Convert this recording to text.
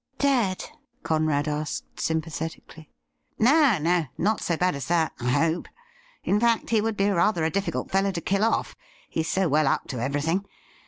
' Dead .P' Conrad asked sympathetically. ' No, no — not so bad as that, I hope. In fact, he would be rather a difficult fellow to kill off" — ^he's so well up to everything.